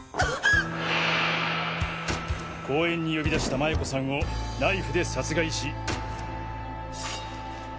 公園に呼び出した麻也子さんをナイフで殺害し。